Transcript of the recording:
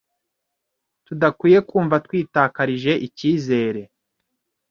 tudakwiye kumva twitakarije icyizere